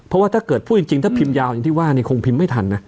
เพราะว่าถ้าเกิดพูดจริงถ้าพิมพ์ยาวอย่างที่ว่าคงพิมพ์ไม่ทันนะ